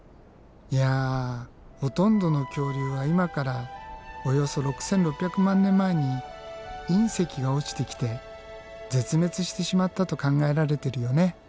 いやほとんどの恐竜は今からおよそ６，６００万年前に隕石が落ちてきて絶滅してしまったと考えられてるよね。